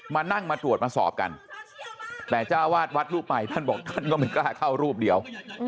มานั่งมาตรวจมาสอบกันแต่จ้าวาดวัดรูปใหม่ท่านบอกท่านก็ไม่กล้าเข้ารูปเดียว